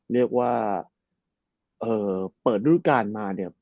เรียกว่าเปิดรูปการณ์มาเนี่ย